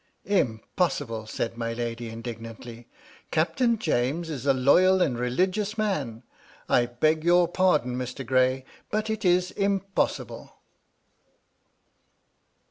" Impossible !" said my lady, indignantly. " Captain James is a loyal and religious man. I beg your pardon, Mr. Gray, but it is impossible."